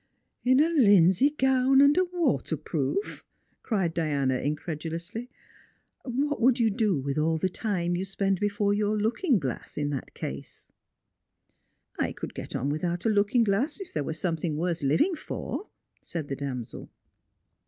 " In a hnsey gown and a waterproof? " cried Diana incredu lously. " What would you do with all the time you spend before your looking ^ass in that case ?"" I could get on without a looking glass if there was some thing worth living for," said the damsel.